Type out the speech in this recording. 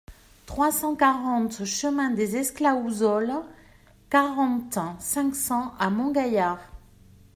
trois cent quarante chemin des Esclaousoles, quarante, cinq cents à Montgaillard